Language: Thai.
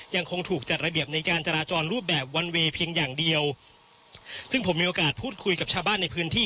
ยังคงถูกจัดระเบียบในการจราจรรูปแบบวันเวย์เพียงอย่างเดียวซึ่งผมมีโอกาสพูดคุยกับชาวบ้านในพื้นที่